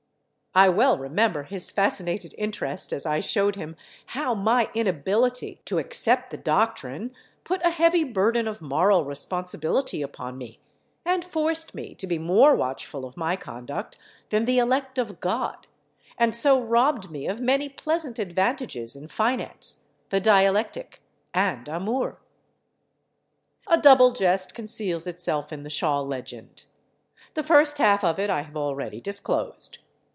I well remember his fascinated interest as I showed him how my inability to accept the doctrine put a heavy burden of moral responsibility upon me, and forced me to be more watchful of my conduct than the elect of God, and so robbed me of many pleasant advantages in finance, the dialectic and amour.... A double jest conceals itself in the Shaw legend. The first half of it I have already disclosed.